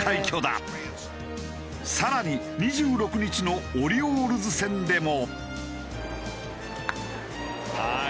更に２６日のオリオールズ戦でも。